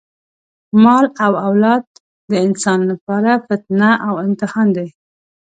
مال او اولاد د انسان لپاره فتنه او امتحان دی.